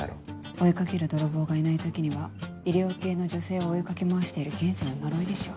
追い掛ける泥棒がいない時には医療系の女性を追い掛け回してる現世の呪いでしょう。